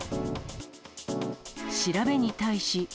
調べに対し。